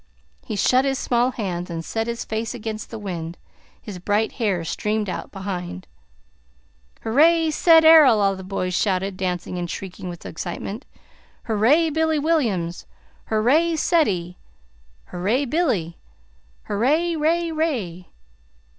He shut his small hands and set his face against the wind; his bright hair streamed out behind. "Hooray, Ced Errol!" all the boys shouted, dancing and shrieking with excitement. "Hooray, Billy Williams! Hooray, Ceddie! Hooray, Billy! Hooray! 'Ray! 'Ray!"